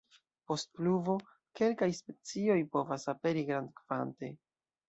Post pluvo kelkaj specioj povas aperi grandkvante.